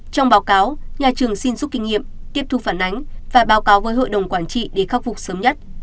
trong báo cáo nhà trường xin giúp kinh nghiệm tiếp thu phản ánh và báo cáo với hội đồng quản trị để khắc phục sớm nhất